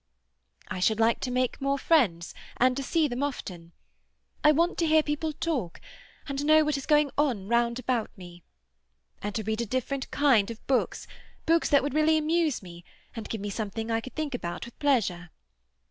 "I should like to make more friends, and to see them often. I want to hear people talk, and know what is going on round about me. And to read a different kind of books; books that would really amuse me, and give me something I could think about with pleasure.